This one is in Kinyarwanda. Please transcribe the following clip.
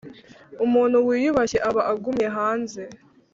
umuntu wiyubashye aba agumye hanze.